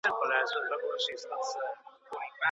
د تعين لپاره اشاره کافي ده.